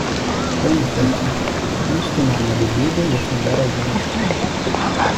Vamos Betty, vamos tomar uma bebida e afundar alguns.